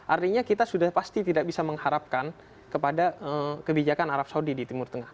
artinya kita sudah pasti tidak bisa mengharapkan kepada kebijakan arab saudi di timur tengah